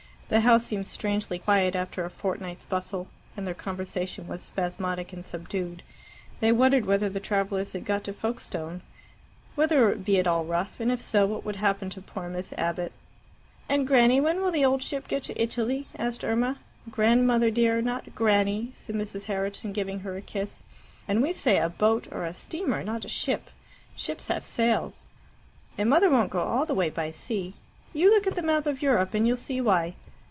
The house seemed strangely quiet after a fortnight's bustle, and their conversation was spasmodic and subdued. They wondered whether the travellers had got to Folkestone, whether it would be at all rough, and if so what would happen to poor Miss Abbott. "And, Granny, when will the old ship get to Italy?" asked Irma. "'Grandmother,' dear; not 'Granny,'" said Mrs. Herriton, giving her a kiss. "And we say 'a boat' or 'a steamer,' not 'a ship.' Ships have sails. And mother won't go all the way by sea. You look at the map of Europe, and you'll see why.